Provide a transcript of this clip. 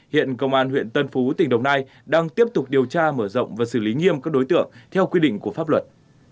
hiện công an huyện tân phú tỉnh đồng nai đang tiếp tục điều tra mở rộng và xử lý nghiêm các đối tượng theo quy định của pháp luật